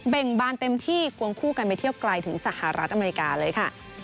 ่งบานเต็มที่กวงคู่กันไปเที่ยวไกลถึงสหรัฐอเมริกาเลยค่ะ